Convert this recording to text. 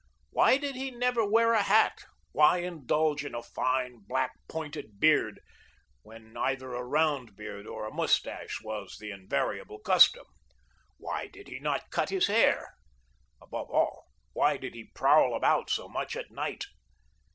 Why did he never wear a hat, why indulge in a fine, black, pointed beard, when either a round beard or a mustache was the invariable custom? Why did he not cut his hair? Above all, why did he prowl about so much at night?